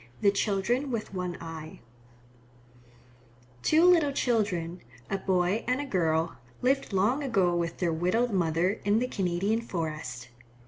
THE CHILDREN WITH ONE EYE Two little children, a boy and a girl, lived long ago with their widowed mother in the Canadian forest.